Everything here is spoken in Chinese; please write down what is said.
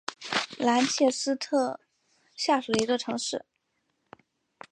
兰切斯特下属的一座城市。